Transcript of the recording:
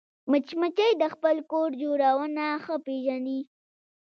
مچمچۍ د خپل کور جوړونه ښه پېژني